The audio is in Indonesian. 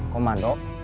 kamu mau cek